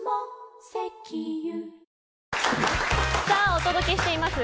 お届けしています。